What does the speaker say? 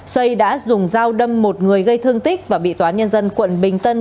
xây đã dùng dao đâm một người gây thương tích và bị toán nhân dân quận bình tân